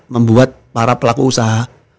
membuat para pelaku usaha